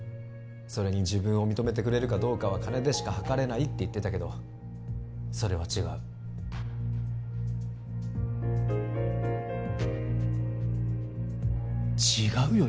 それに自分を認めてくれるかどうかは金でしかはかれないって言ってたけどそれは違う違うよ